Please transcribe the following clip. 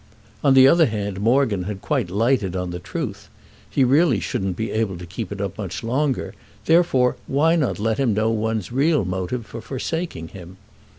On the other hand Morgan had quite lighted on the truth—he really shouldn't be able to keep it up much longer; therefore why not let him know one's real motive for forsaking him?